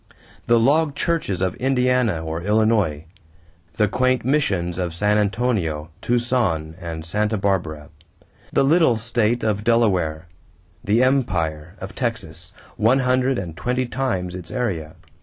The log churches of Indiana or Illinois the quaint missions of San Antonio, Tucson, and Santa Barbara! The little state of Delaware the empire of Texas, one hundred and twenty times its area!